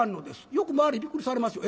よく周りびっくりされますよ。